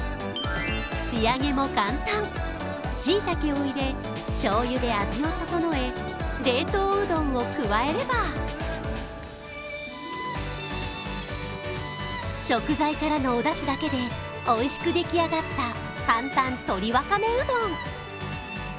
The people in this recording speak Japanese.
仕上げも簡単、しいたけを入れ、しょうゆで味を整え、冷凍うどんを加えれば食材からのおだしだけでおいしくでき上がった簡単、鶏わかめうどん。